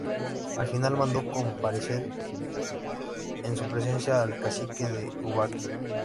Al final mandó comparecer en su presencia al Cacique de Ubaque.